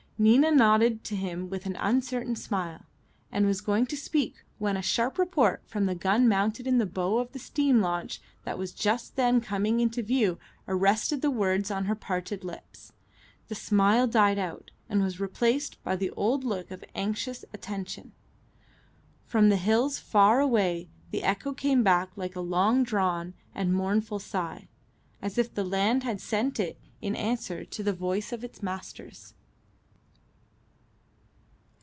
Nina nodded to him with an uncertain smile, and was going to speak, when a sharp report from the gun mounted in the bow of the steam launch that was just then coming into view arrested the words on her parted lips. The smile died out, and was replaced by the old look of anxious attention. From the hills far away the echo came back like a long drawn and mournful sigh, as if the land had sent it in answer to the voice of its masters.